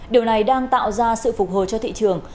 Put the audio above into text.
điều này đang tạo ra sự phục hồi cho thị trường